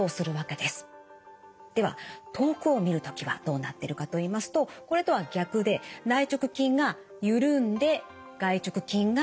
では遠くを見る時はどうなっているかといいますとこれとは逆で内直筋がゆるんで外直筋が縮みます。